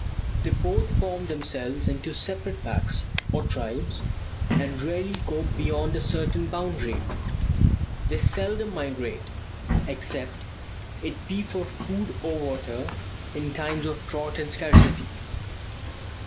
They both form themselves into separate packs, or tribes, and rarely go beyond a certain boundary. They seldom migrate, except it be for food or water in times of drought and scarcity.